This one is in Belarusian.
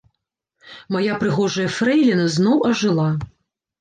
Мая прыгожая фрэйліна зноў ажыла.